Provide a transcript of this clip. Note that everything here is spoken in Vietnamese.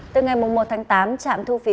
từ ngày một một tám trạm thu phí